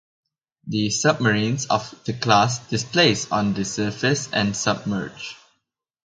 The submarines of the class displaced on the surface and submerged.